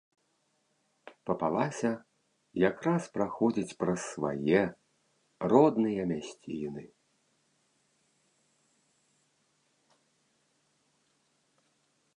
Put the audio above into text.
Папалася якраз праходзіць праз свае, родныя мясціны.